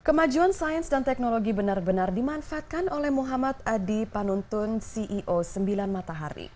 kemajuan sains dan teknologi benar benar dimanfaatkan oleh muhammad adi panuntun ceo sembilan matahari